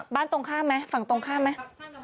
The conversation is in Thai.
ตรงข้ามไหมฝั่งตรงข้ามไหม